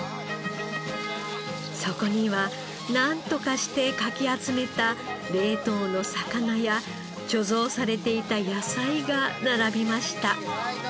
そこにはなんとかしてかき集めた冷凍の魚や貯蔵されていた野菜が並びました。